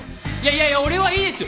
いやいや俺はいいですよ。